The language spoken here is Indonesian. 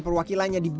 tergantikan oleh itb